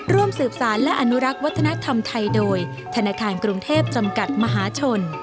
ร่วมสืบสารและอนุรักษ์วัฒนธรรมไทยโดยธนาคารกรุงเทพจำกัดมหาชน